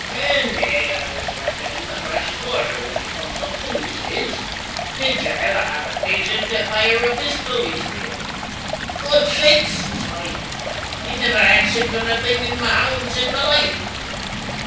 Ane day I was workin' at the grass border when he comes up and he says, says he: "Did ye ever have occasion tae fire a pistol, Israel?" "Godsakes!" says I, "I never had siccan a thing in my honds in my life."